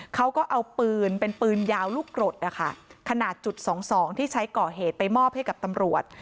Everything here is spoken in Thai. เขาก็เอาปืนเป็นปืนยาวลูกกรดนะคะขนาดจุดสองสองที่ใช้ก่อเหตุไปมอบให้กับตำรวจ